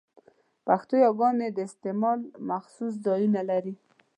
پښتو يګاني د استعمال مخصوص ځایونه لري؛